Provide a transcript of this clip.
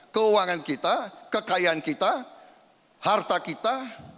keuangan kita kekayaan kita harta kita